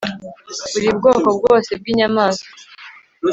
buri bwoko bwose bw'inyamaswa